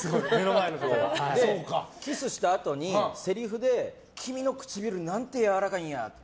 キスしたあとに、せりふで君の唇、何てやわらかいんや！